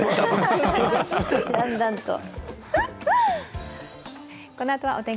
だんだんと。